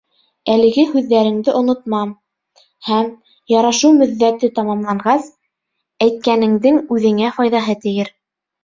— Әлеге һүҙҙәреңде онотмам һәм, ярашыу мөҙҙәте тамамланғас, әйткәнеңдең үҙеңә файҙаһы тейер.